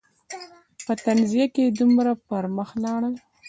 په تنزیه کې دومره پر مخ لاړل.